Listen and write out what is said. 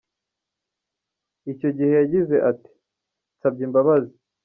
Icyo gihe yagize ati: “Nsabye imbabazi.